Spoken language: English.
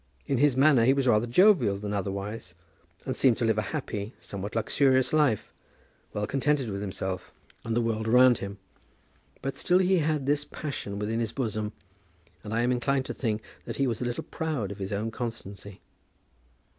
In his manner he was rather jovial than otherwise, and seemed to live a happy, somewhat luxurious life, well contented with himself and the world around him. But still he had this passion within his bosom, and I am inclined to think that he was a little proud of his own constancy.